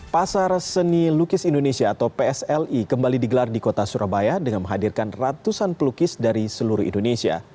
pasar seni lukis indonesia atau psli kembali digelar di kota surabaya dengan menghadirkan ratusan pelukis dari seluruh indonesia